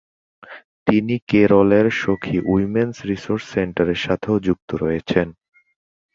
তিনি কেরলের সখী উইমেন্স রিসোর্স সেন্টারের সাথেও যুক্ত রয়েছেন।